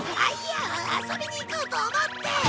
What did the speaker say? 遊びに行こうと思って！